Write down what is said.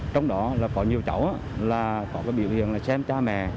trong đó là có nhiều cháu là có cái biểu hiện là xem cha mẹ